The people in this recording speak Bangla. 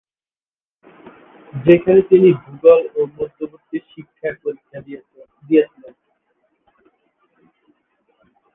যেখানে তিনি ভূগোল ও মধ্যবর্তী শিক্ষায় পরীক্ষা দিয়েছিলেন।